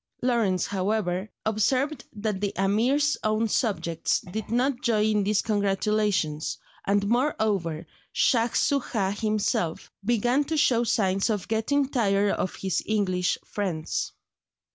Lawrence, however, observed that the Ameer's own subjects did not join in these congratulations, and moreover Shaj Soojah himself began to show signs of getting tired of his English friends.